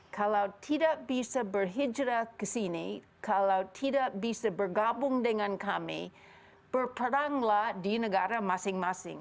kalau tidak bisa berhijrah ke sini kalau tidak bisa bergabung dengan kami berperanglah di negara masing masing